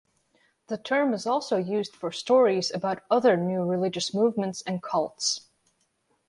The term is also used for stories about other new religious movements and cults.